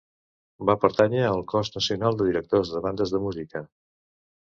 Va pertànyer al Cos Nacional de Directors de Bandes de Música.